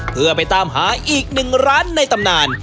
เพื่อไปตามหาอีกหนึ่งร้านในตำนาน